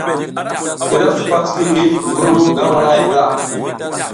I ra sipas cikivid ngi ru nag walahay ndra.